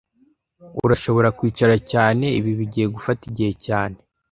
Urashobora kwicara cyane Ibi bigiye gufata igihe cyane